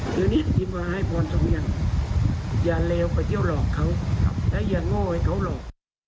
คือนี่ที่มาให้พรสมยังอย่าเลวไปเที่ยวหลอกเขาแต่อย่างโง่ให้เขาหลอก